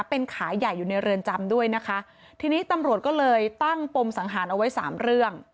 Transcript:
เป็นขายใหญ่อยู่ในเรือนจำด้วยนะคะทีนี้ตำรวจก็เลยตั้งปมสังหารเอาไว้สามเรื่อง